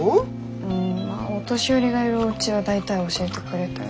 うんまあお年寄りがいるおうちは大体教えてくれたよ。